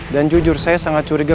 dan jujur saya sangat curiga